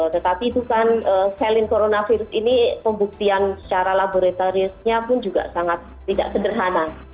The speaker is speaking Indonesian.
tetapi itu kan selin coronavirus ini pembuktian secara laboratorisnya pun juga sangat tidak sederhana